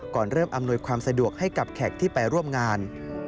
เริ่มอำนวยความสะดวกให้กับแขกที่ไปร่วมงาน